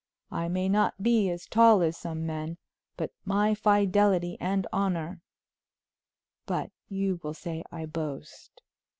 I may not be as tall as some men, but my fidelity and honor but you will say I boast.